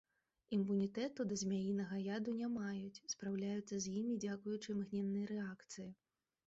Імунітэту да змяінага яду не маюць, спраўляюцца з імі дзякуючы імгненнай рэакцыі.